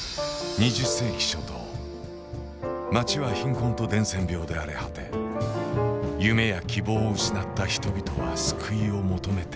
２０世紀初頭街は貧困と伝染病で荒れ果て夢や希望を失った人々は救いを求めていた。